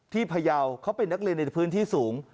พยาวเขาเป็นนักเรียนในพื้นที่สูง